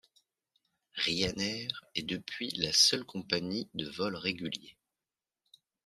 Ryanair est depuis la seule compagnie de vols réguliers.